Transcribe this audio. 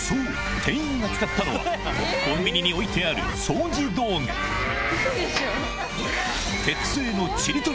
店員が使ったのはコンビニに置いてある掃除道具あぁ！